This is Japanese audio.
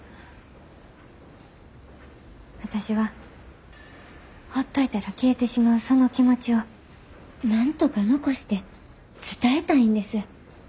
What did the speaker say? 私はほっといたら消えてしまうその気持ちをなんとか残して伝えたいんです。